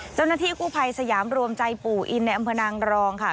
เจ้าหน้าที่กู้ภัยสยามรวมใจปู่อินในอำเภอนางรองค่ะ